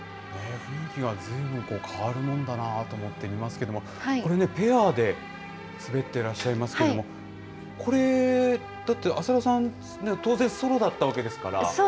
雰囲気がずいぶんと変わるもんだなと思って、見ますけれども、これね、ペアで滑ってらっしゃいますけども、これ、だって、浅田さん、当然、ソロだったわけですから。